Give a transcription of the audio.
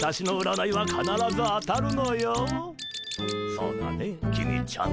そうだね公ちゃん。